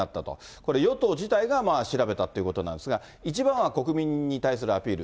これ、与党自体調べたってことなんですが、一番は国民に対するアピール。